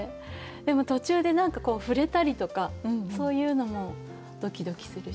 でも途中で何かこう触れたりとかそういうのもドキドキするし。